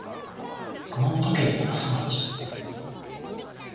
熊本県長洲町